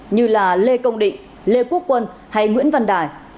như là lê công định lê quốc quân hay nguyễn văn đài